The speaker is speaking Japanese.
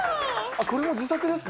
これも自作ですか？